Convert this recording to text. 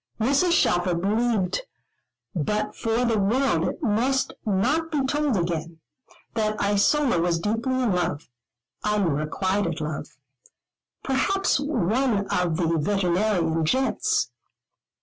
Mrs. Shelfer believed, but for the world it must not be told again, that Isola was deeply in love, unrequited love, perhaps one of the weteranarian gents.